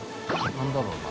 何だろうな？